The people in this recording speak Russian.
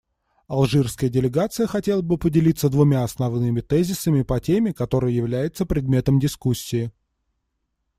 Алжирская делегация хотела бы поделиться двумя основными тезисами по теме, которая является предметом дискуссии.